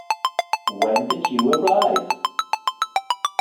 When did you arrive?